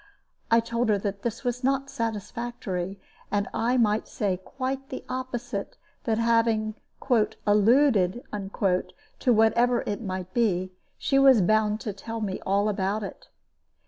I told her that this was not satisfactory, and I might say quite the opposite; that having "alluded" to whatever it might be, she was bound to tell me all about it.